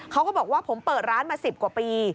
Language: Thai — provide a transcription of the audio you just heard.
เขาก็บอกว่าผมเปิดร้านมา๑๐กว่าปี